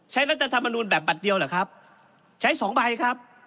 รัฐธรรมนูลแบบบัตรเดียวเหรอครับใช้สองใบครับ